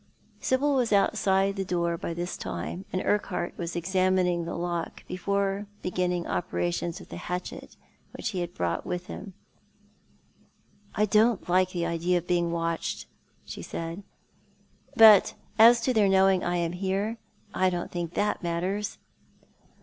Sibyl was outside the door by this time, and Urquhart was examining the lock, before beginning operations with the hatchet which he had brought with him, "I don't like the idea of being watched," she said, "but as to their knowing I am here — I don't think that matters."